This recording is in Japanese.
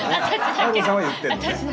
華子さんは言ってるのね。